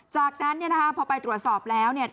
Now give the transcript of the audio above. จากนั้นเนี่ยนะคะพอไปตรวจสอบแล้วเนี่ย